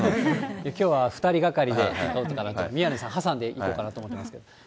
きょうは、２人がかりで宮根さん、挟んでいこうかなと思ってます。